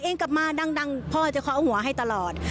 กลับมาดังพ่อจะเคาะเอาหัวให้ตลอด